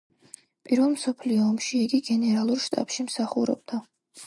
პირველ მსოფლიო ომში იგი გენერალურ შტაბში მსახურობდა.